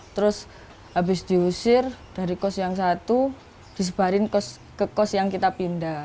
terus habis diusir dari kos yang satu disebarin ke kos yang kita pindah